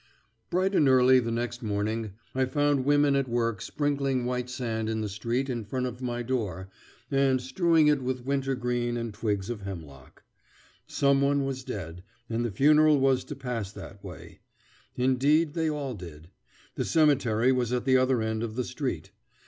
[Illustration: The Extinct Chimney sweep] Bright and early the next morning I found women at work sprinkling white sand in the street in front of my door, and strewing it with winter green and twigs of hemlock. Some one was dead, and the funeral was to pass that way. Indeed they all did. The cemetery was at the other end of the street.